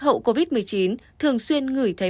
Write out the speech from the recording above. hậu covid một mươi chín thường xuyên ngửi thấy